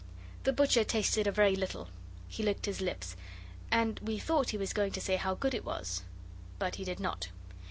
The butcher tasted a very little. He licked his lips, and we thought he was going to say how good it was. But he did not.